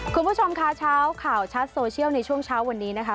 คุณผู้ชมค่ะเช้าข่าวชัดโซเชียลในช่วงเช้าวันนี้นะคะ